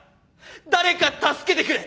誰か助けてくれ！